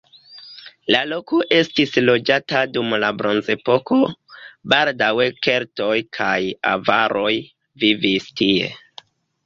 La loko estis loĝata dum la bronzepoko, baldaŭe keltoj kaj avaroj vivis tie.